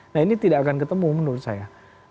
nah ini tidak akan ketemu menurut saya